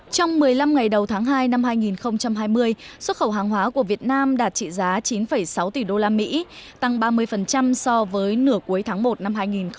trong một mươi năm ngày đầu tháng hai năm hai nghìn hai mươi xuất khẩu hàng hóa của việt nam đạt trị giá chín sáu tỷ usd tăng ba mươi so với nửa cuối tháng một năm hai nghìn hai mươi